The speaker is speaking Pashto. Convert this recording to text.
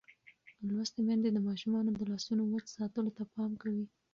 لوستې میندې د ماشومانو د لاسونو وچ ساتلو ته پام کوي.